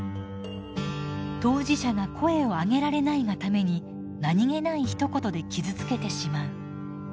当事者が声をあげられないがために何気ないひと言で傷つけてしまう。